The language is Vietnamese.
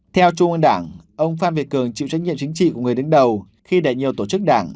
theo trung ương đảng ông phan việt cường chịu trách nhiệm chính trị của người đứng đầu khi để nhiều tổ chức đảng